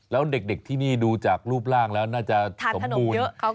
แล้วเด็กที่นี่ดูจากรูปร่างแล้วน่าจะสมบูรณ์